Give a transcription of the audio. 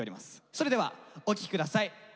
それではお聴き下さい。